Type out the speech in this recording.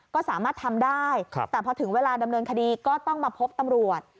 ก็สามารถทำได้แต่พอถึงเวลาดำเนินคดีก็ต้องมาพบตำรวจ